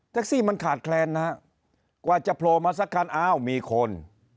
ซี่มันขาดแคลนนะฮะกว่าจะโผล่มาสักคันอ้าวมีคน